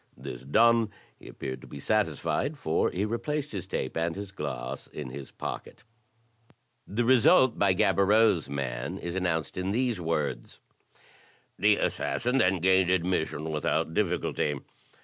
This done, he appeared to be satisfied, for he replaced his tape and his glass in his pocket. The result by Gaboriau's man is announced in these words: " The assassin then gained admission without difficulty.